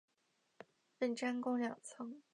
本站共两层。